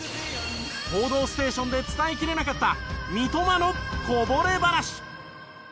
『報道ステーション』で伝えきれなかった三笘のこぼれ話。